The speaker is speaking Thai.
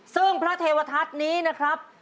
ซึ่งพระเทวทัศน์นี้นะครับ